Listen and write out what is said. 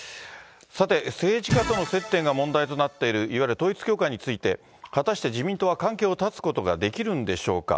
さて、政治家との接点が問題となっている、いわゆる統一教会について、果たして自民党は関係を断つことができるんでしょうか。